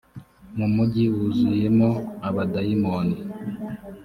mu mugi wuzuyemo abadayimoni